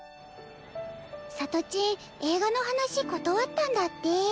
さとちん映画の話断ったんだって。